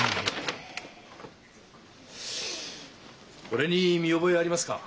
これに見覚えありますか？